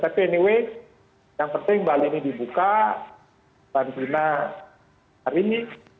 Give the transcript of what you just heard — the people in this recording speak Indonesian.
tapi anyway yang penting bali ini dibuka karantina hari ini